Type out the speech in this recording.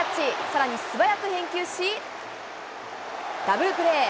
さらに素早く返球し、ダブルプレー。